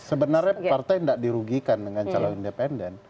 sebenarnya partai tidak dirugikan dengan calon independen